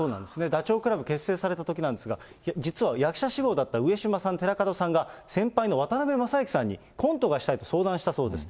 ダチョウ倶楽部結成されたときなんですが、実は役者志望だった上島さん、寺門さんが、先輩の渡辺正行さんに、コントがしたいと相談したそうです。